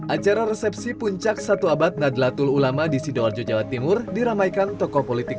acara resepsi puncak satu abad nadlatul ulama di sidoarjo jawa timur diramaikan tokoh politik